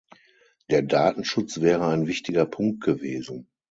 Der Datenschutz wäre ein wichtiger Punkt gewesen.